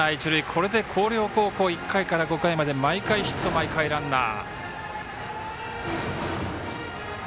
これで広陵高校１回から５回まで毎回ヒット、毎回ランナー。